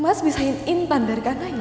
mas bisain intan berkan nurun nela